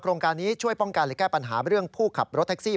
โครงการนี้ช่วยป้องกันและแก้ปัญหาเรื่องผู้ขับรถแท็กซี่